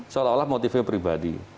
seolah olah motifnya pribadi